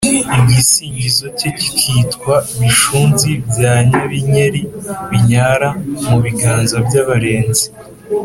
igisingizo cye kikitwa " bishunzi bya nyabinyeli binyara mu biganza by'abarenzi